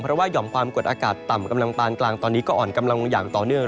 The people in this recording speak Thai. เพราะว่าห่อมความกดอากาศต่ำกำลังปานกลางตอนนี้ก็อ่อนกำลังลงอย่างต่อเนื่อง